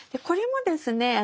これもですね